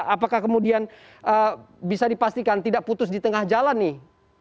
apakah kemudian bisa dipastikan tidak putus di tengah jalan nih